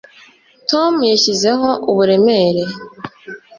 Tom yashyizeho uburemere